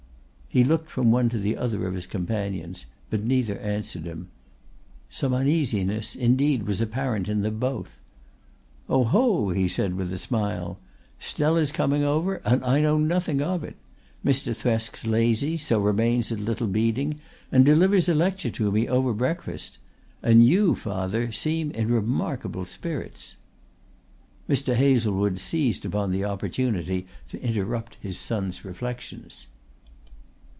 He looked from one to the other of his companions, but neither answered him. Some uneasiness indeed was apparent in them both. "Oho!" he said with a smile. "Stella's coming over and I know nothing of it. Mr. Thresk's lazy, so remains at Little Beeding and delivers a lecture to me over breakfast. And you, father, seem in remarkable spirits." Mr. Hazlewood seized upon the opportunity to interrupt his son's reflections.